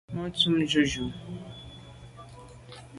Ma’ ntùm jujù.